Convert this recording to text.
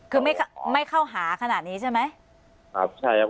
คือไม่ไม่เข้าหาขนาดนี้ใช่ไหมครับใช่ครับ